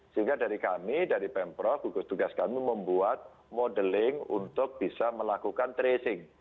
sehingga dari kami dari pemprov gugus tugas kami membuat modeling untuk bisa melakukan tracing